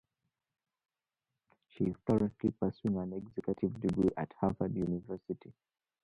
She is currently pursuing an executive degree at Harvard University.